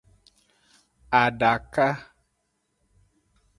Adaka.